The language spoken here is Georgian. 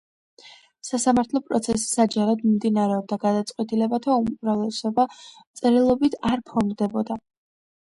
სასამართლო პროცესი საჯაროდ მიმდინარეობდა, გადაწყვეტილებათა უმეტესობა წერილობით არ ფორმდებოდა.